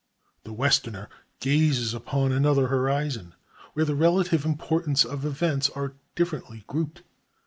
The westerner gazes upon another horizon, where the relative importance of events are differently grouped.